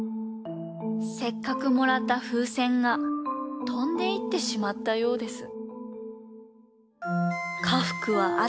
せっかくもらったふうせんがとんでいってしまったようです。